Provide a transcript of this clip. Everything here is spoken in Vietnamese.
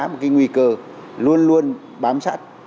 một cái nguy cơ luôn luôn bám sát